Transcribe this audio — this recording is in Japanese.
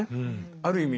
ある意味